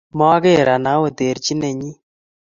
Maker Anao terchinenyi